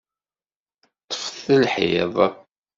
Ṭṭfet lḥiḍ!